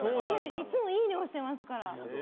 いつもいいね押してますから。